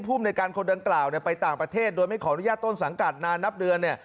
ภูมิในการคนดังกล่าวไปต่างประเทศโดยไม่ขออนุญาตต้นสังกัดนานนับเดือนเนี่ย